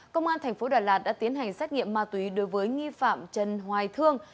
công an tp đà lạt đã tiến hành xét nghiệm ma túy đối với nghi phạm trần hoài thương